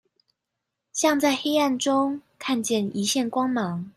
像在黑暗中看見一線光芒